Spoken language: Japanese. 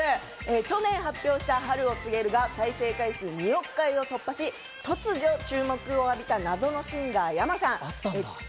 去年発表した『春を告げる』が再生回数２億回を突破し、突如注目を浴びた謎のシンガー、ｙａｍａさん。